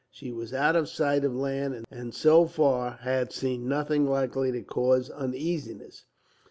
She was out of sight of land, and so far had seen nothing likely to cause uneasiness.